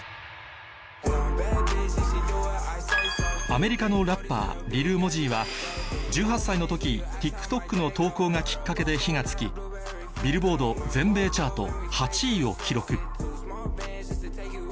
アメリカのラッパーリル・モジーは１８歳の時ＴｉｋＴｏｋの投稿がきっかけで火が付きビルボード全米チャート８位を記録